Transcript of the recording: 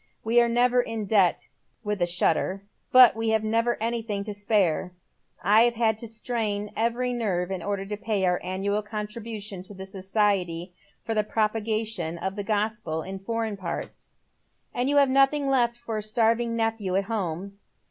We are never in debt," with a shudder, " but we have never anything to spare. I had to strain every nerve in order to pay our annual contribution to the Society for the Propagation of the Gospel in Foreign Parts." " And you have nothing left for a starving nephew at home."